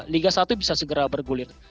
liga satu bisa segera bergulir